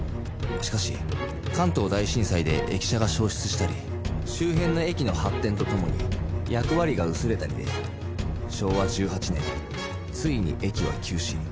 しかし関東大震災で駅舎が焼失したり周辺の駅の発展とともに役割が薄れたりで昭和１８年ついに駅は休止。